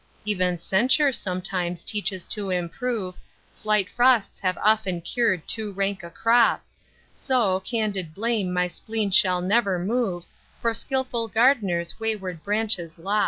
Even censure sometimes teaches to improve, Slight frosts have often cured too rank a crop, So, candid blame my spleen shall never move, For skilful gard'ners wayward branches lop.